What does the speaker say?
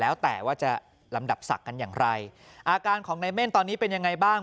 แล้วแต่ว่าจะลำดับศักดิ์กันอย่างไรอาการของในเม่นตอนนี้เป็นยังไงบ้าง